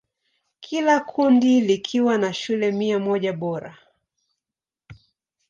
Kila kundi likiwa na shule mia moja bora.